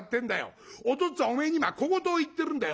お父っつぁんおめえに今小言を言ってるんだよ。